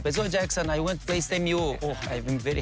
ผมต้องบอกนะวันนี้ผมมีความสุขนะ